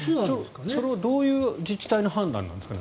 それはどういう自治体の判断なんですかね？